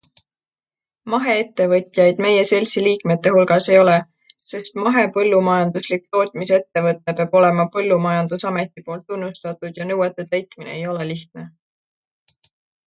Maheettevõtjaid meie seltsi liikmete hulgas ei ole, sest mahepõllumajanduslik tootmisettevõte peab olema põllumajandusameti poolt tunnustatud ja nõuete täitmine ei ole lihtne.